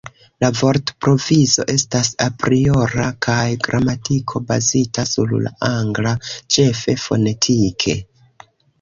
La vortprovizo estas apriora kaj gramatiko bazita sur la angla, ĉefe fonetike.